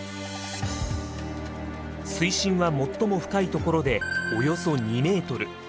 水深は最も深いところでおよそ２ｍ。